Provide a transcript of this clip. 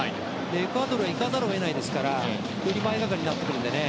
エクアドルは行かざるを得ないですからより前がかりになってくるんでね